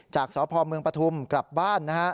จากสพเมืองปทุมธานีกลับบ้านนะครับ